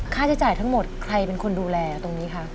ค่าใช้จ่ายทั้งหมดใครเป็นคนดูแลตรงนี้คะ